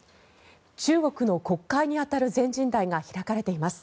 中国の国会に当たる全人代が開かれています。